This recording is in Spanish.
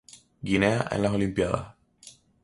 Guinea en las Olimpíadas